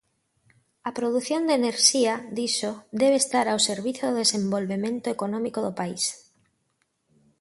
A produción de enerxía, dixo, "debe estar ao servizo do desenvolvemento económico do país".